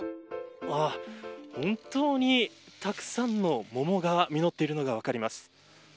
本当にたくさんの桃が実っているのが分かります。